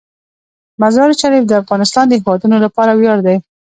مزارشریف د افغانستان د هیوادوالو لپاره ویاړ دی.